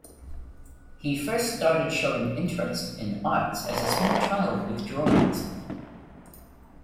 He first started showing interest in arts as a small child with drawings.